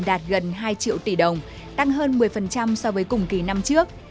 đạt gần hai triệu tỷ đồng tăng hơn một mươi so với cùng kỳ năm trước